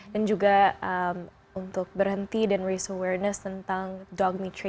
dan juga untuk berhenti dan berpengenalan tentang peta anggota